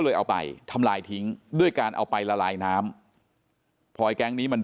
เอาไปทำลายทิ้งด้วยการเอาไปละลายน้ำพอไอ้แก๊งนี้มัน